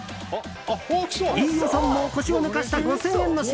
飯尾さんも腰を抜かした５０００円の品